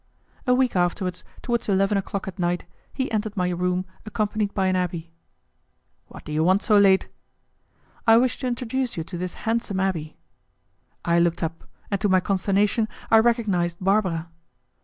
A week afterwards, towards eleven o'clock at night, he entered my room accompanied by an abbé. "What do you want so late?" "I wish to introduce you to this handsome abbé." I looked up, and to my consternation I recognized Barbara.